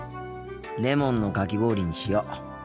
レモンのかき氷にしよう。